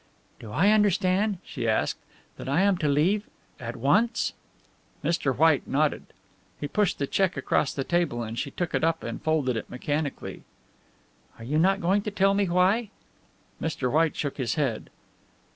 "Do I understand," she asked, "that I am to leave at once?" Mr. White nodded. He pushed the cheque across the table and she took it up and folded it mechanically. "And you are not going to tell me why?" Mr. White shook his head.